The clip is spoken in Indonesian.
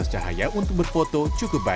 satu dua tiga